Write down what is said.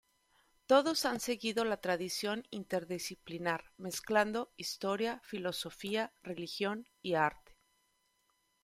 Todos han seguido la tradición interdisciplinar, mezclando historia, filosofía, religión y arte.